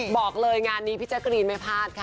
บอกเลยงานนี้พี่แจ๊กรีนไม่พลาดค่ะ